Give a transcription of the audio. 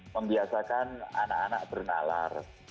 membiasakan anak anak bernalar